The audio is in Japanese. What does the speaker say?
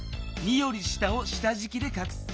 ２より下を下じきでかくす。